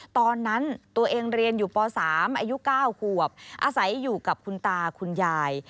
ตอนนั้นตัวเองเรียนอยู่ป๓อายุ๙ขวบอาศัยอยู่กับคุณตาคุณยาย